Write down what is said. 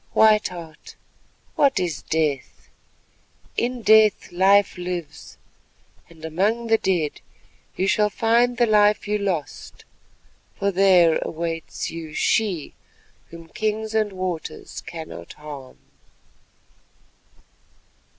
White Heart, what is death? In death life lives, and among the dead you shall find the life you lost, for there awaits you she whom kings and waters cannot harm."